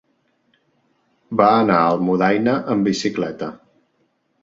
Va anar a Almudaina amb bicicleta.